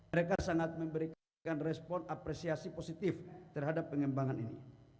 mereka sangat memberikan respon apresiasi positif terhadap pengembangan ini